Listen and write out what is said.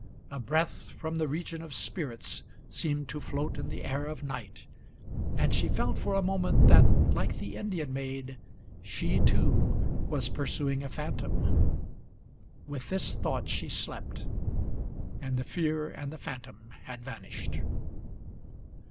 A breath from the region of spirits Seemed to float in the air of night; and she felt for a moment That, like the Indian maid, she, too, was pursuing a phantom. With this thought she slept, and the fear and the phantom had vanished.